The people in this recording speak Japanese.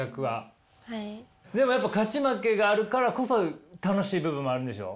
でもやっぱ勝ち負けがあるからこそ楽しい部分もあるんでしょう？